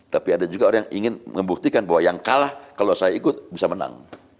tapi ada juga orang yang ingin membuktikan bahwa yang kalah kalau saya ikut bisa menang